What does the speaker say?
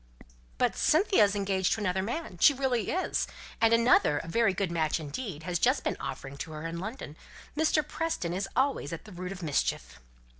"But Cynthia is engaged to another man she really is. And another a very good match indeed has just been offering to her in London. Mr. Preston is always at the root of mischief."